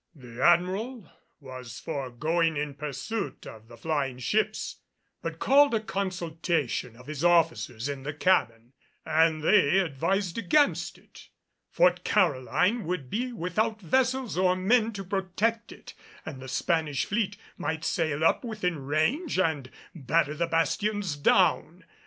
The Admiral was for going in pursuit of the flying ships, but called a consultation of his officers in the cabin and they advised against it. Fort Caroline would be without vessels or men to protect it, and the Spanish fleet might sail up within range and batter the bastions down.